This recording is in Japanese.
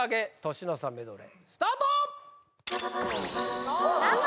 年の差メドレースタートさあ